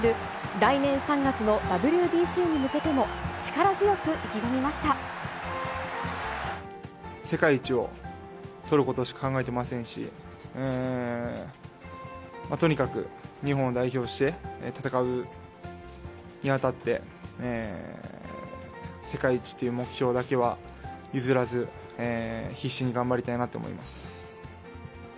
来年３月のＷＢＣに向けても力世界一を取ることしか考えてませんし、とにかく日本を代表して戦うにあたって、世界一っていう目標だけは譲らず、必死に頑張りたいなと思います。